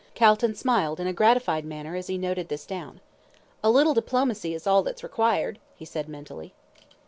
Calton smiled in a gratified manner as he noted this down. "A little diplomacy is all that's required," he said mentally.